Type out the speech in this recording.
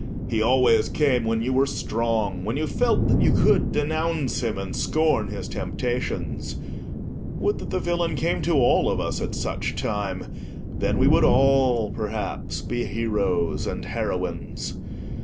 He always came when you were strong, when you felt that you could denounce him, and scorn his temptations. Would that the villain came to all of us at such time; then we would all, perhaps, be heroes and heroines.